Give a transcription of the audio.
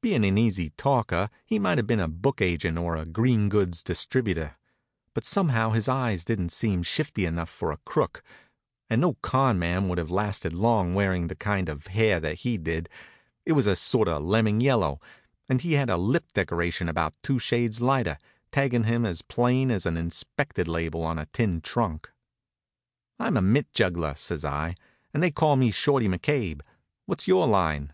Being an easy talker, he might have been a book agent or a green goods distributor. But somehow his eyes didn't seem shifty enough for a crook, and no con. man would have lasted long wearing the kind of hair that he did. It was a sort of lemon yellow, and he had a lip decoration about two shades lighter, taggin' him as plain as an "inspected" label on a tin trunk. "I'm a mitt juggler," says I, "and they call me Shorty McCabe. What's your line?"